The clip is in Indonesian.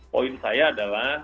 poin saya adalah